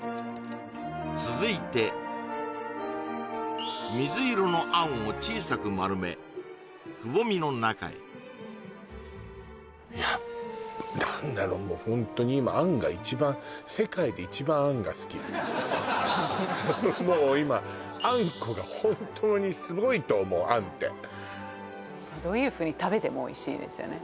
続いて水色のあんを小さく丸めくぼみの中へやっぱ何だろうホントに今あんが一番もう今あんこが本当にすごいと思うあんってどういうふうに食べてもおいしいですよね